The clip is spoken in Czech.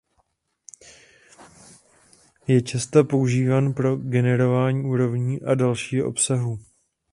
Je často používán pro generování úrovní a dalšího obsahu.